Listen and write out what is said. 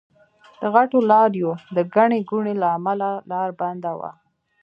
د غټو لاريو د ګڼې ګوڼې له امله لار بنده وه.